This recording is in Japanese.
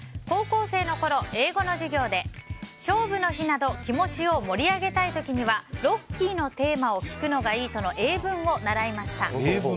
高校生のころ、英語の授業で勝負の日など気持ちを盛り上げたい時には「ロッキーのテーマ」を聴くのがいいとの英文を習いました。